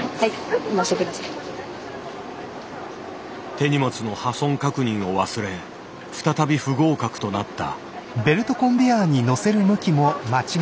手荷物の破損確認を忘れ再び不合格となった。